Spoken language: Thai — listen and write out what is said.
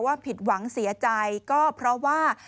ผิดหวังเสียใจก็เพราะว่า